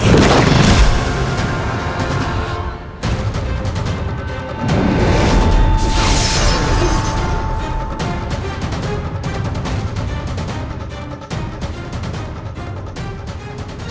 sekarang aku bodoh